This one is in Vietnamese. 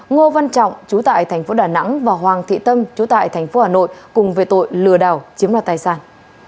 ngô văn trọng chú tại tp đà nẵng và hoàng thị tâm chú tại tp hcm cùng về tội lừa đảo chiếm hoạt tài sản